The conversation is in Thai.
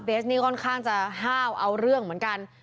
สนี่ค่อนข้างจะห้าวเอาเรื่องเหมือนกัน